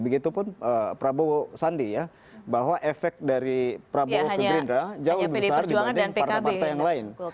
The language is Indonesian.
begitupun prabowo sandi ya bahwa efek dari prabowo ke gerindra jauh lebih besar dibanding partai partai yang lain